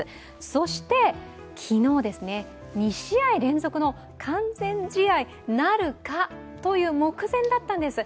そして昨日、２試合連続の完全試合なるかという目前だったんです。